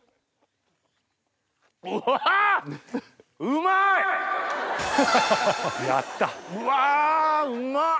うわうまっ！